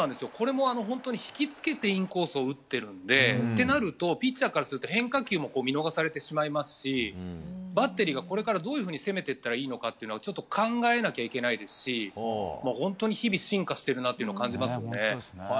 引きつけてインコースを打っているのでとなるとピッチャーからすると、変化球も見逃されてしまいますしバッテリーがこれからどう攻めていくのか考えなきゃいけないですし本当に日々、進化しているなと感じますね。